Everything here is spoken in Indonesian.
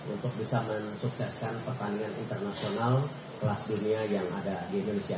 untuk bisa men sukseskan pertandingan internasional kelas dunia yang ada di indonesia